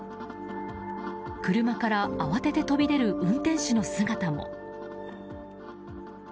車から慌てて飛び出る運転手の姿も。